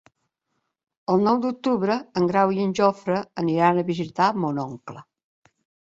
El nou d'octubre en Grau i en Jofre aniran a visitar mon oncle.